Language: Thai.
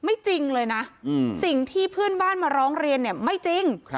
จริงเลยนะสิ่งที่เพื่อนบ้านมาร้องเรียนเนี่ยไม่จริง